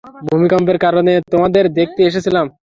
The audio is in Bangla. ভূমিকম্পের কারণে তোমাদের দেখতে এসেছিলাম।